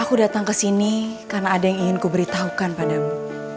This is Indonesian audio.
aku datang ke sini karena ada yang ingin kuberitahukan padamu